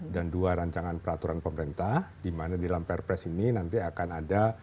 dan dua rancangan peraturan pemerintah di mana di dalam perpres ini nanti akan ada